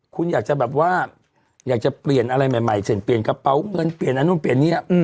คุณอยากจะแบบว่าอยากจะเปลี่ยนอะไรใหม่เช่นเปลี่ยนกระเป๋าเงินเปลี่ยนอันนู่นเปลี่ยนนี่